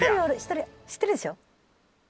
１人は知ってるでしょ？